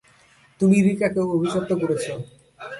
তুমি রিকাকে অভিশপ্ত করেছো।